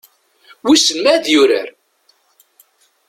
Wissen ma ad yurar?